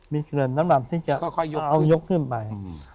มีเกินนำหรับที่จะเอายกขึ้นไป